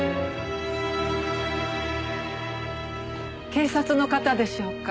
警察の方でしょうか？